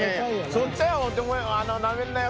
そっちはなめんなよ